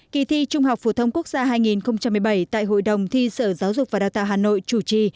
kỳ thi trung học phổ thông quốc gia hai nghìn một mươi bảy tại hội đồng thi sở giáo dục và đào tạo hà nội chủ trì